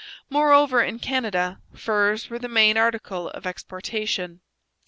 Moreover, in Canada furs were the main article of exportation.